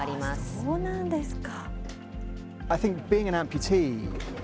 そうなんですか。